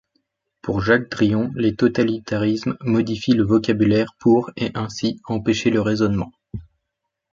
Pour Jacques Drillon, les totalitarismes modifient le vocabulaire pour et ainsi empêcher le raisonnement.